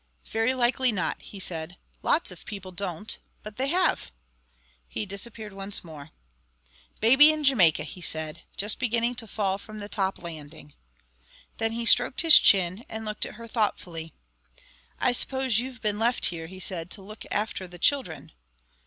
"Very likely not," he said. "Lots of people don't. But they have." He disappeared once more. "Baby in Jamaica," he said, "just beginning to fall from the top landing." Then he stroked his chin and looked at her thoughtfully. "I suppose you've been left here," he said, "to look after the children."